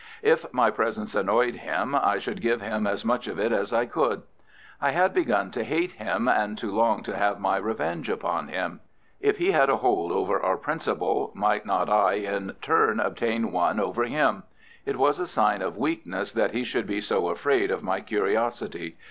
If my presence annoyed him, I should give him as much of it as I could. I had begun to hate him and to long to have my revenge upon him. If he had a hold over our principal, might not I in turn obtain one over him? It was a sign of weakness that he should be so afraid of my curiosity.